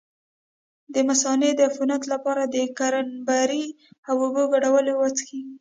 د مثانې د عفونت لپاره د کرینبیري او اوبو ګډول وڅښئ